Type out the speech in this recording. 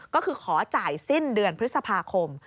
ก็คือขอจ่ายสิ้นเดือนพฤษภาคม